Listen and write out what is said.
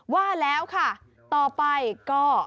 ว่าแล้วค่ะต่อไปก็